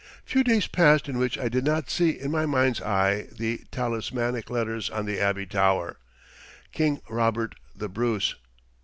Few days passed in which I did not see in my mind's eye the talismanic letters on the Abbey tower "King Robert The Bruce."